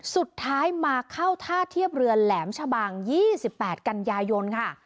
สุดท้ายมาเข้าท่าเทียบเรือแหลมชะบัง๒๘กันยายนค่ะ